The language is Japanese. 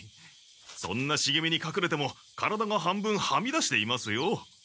そんなしげみにかくれても体が半分はみ出していますよ。